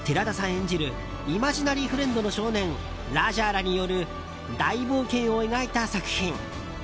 演じるイマジナリーフレンドの少年ラジャーらによる大冒険を描いた作品。